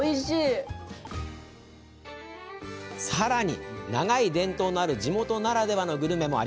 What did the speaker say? さらに、長い伝統のある地元ならではのグルメも。